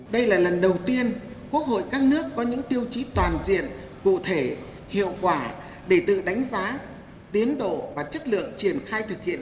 đây là lần đầu tiên quốc hội các nước có những tiêu chí toàn diện cụ thể hiệu quả để tự đánh giá tiến độ và chất lượng triển khai thực hiện